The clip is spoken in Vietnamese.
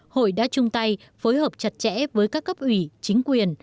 hội đã chung tay phối hợp chặt chẽ với các cấp ủy chính quyền